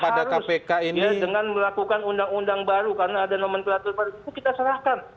ke pada kpk ini dengan melakukan undang undang baru karena ada nomenklatur baru kita serahkan